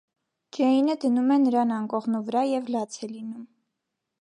Ջեյնը դնում է նրան անկողնու վրա և լաց է լինում։